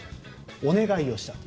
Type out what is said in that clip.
お願いをしたと。